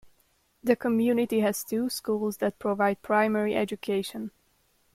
The community has two schools that provide primary education.